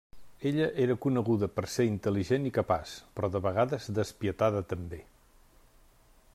Ella era coneguda per ser intel·ligent i capaç, però de vegades despietada també.